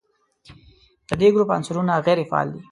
د دې ګروپ عنصرونه غیر فعال دي.